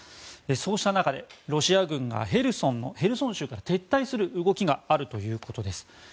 そうした中でロシア軍がヘルソン州から撤退する動きがあるということです。